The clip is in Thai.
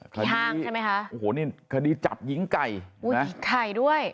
พี่ฮางใช่ไหมคะคดีจับยิงไก่อุ๊ยยิงไก่ด้วย